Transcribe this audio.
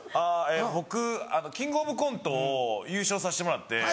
僕『キングオブコント』を優勝させてもらって。